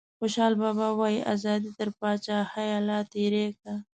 خوشحال بابا وايي ازادي تر پاچاهیه لا تیری کا.